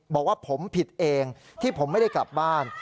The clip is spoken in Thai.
บอกว่าผมผิดเองที่ผมไม่ได้กลับบ้าน